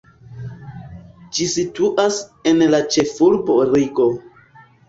Ĝi situas en la ĉefurbo Rigo.